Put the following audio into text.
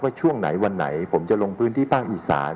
ช่วงไหนวันไหนผมจะลงพื้นที่ภาคอีสาน